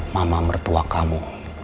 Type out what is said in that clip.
mama mertua kamu